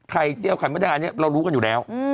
เตี้ยไข่มดแดงอันนี้เรารู้กันอยู่แล้ว